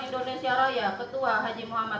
indonesia raya ketua haji muhammad